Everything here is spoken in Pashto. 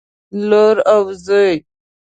لور او زوى